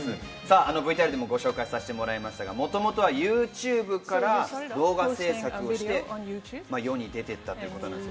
ＶＴＲでもご紹介しましたが、もともとはＹｏｕＴｕｂｅから動画制作をして、世に出ていったということです。